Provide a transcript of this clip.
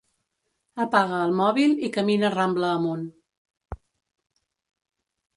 Apaga el mòbil i camina Rambla amunt.